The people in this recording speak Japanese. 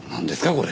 これ。